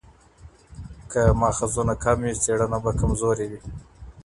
که مآخذونه کم وي څېړنه به کمزورې وي.